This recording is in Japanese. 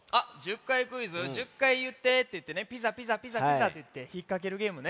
「１０かいいって」っていってね「ピザピザピザピザ」っていってひっかけるゲームね。